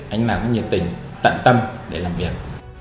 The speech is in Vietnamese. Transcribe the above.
anh nào cũng nhiệt tình tận tâm để làm việc